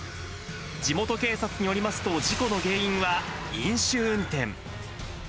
地元警察によりますと、事故の原因は飲酒運転。